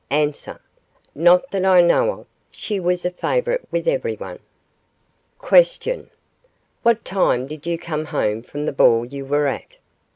A. Not that I knew of. She was a favourite with everyone. Q. What time did you come home from the ball you were at?